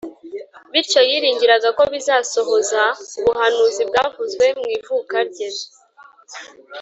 . Bityo yiringiraga ko bizasohoza ubuhanuzi bwavuzwe mw’ivuka rye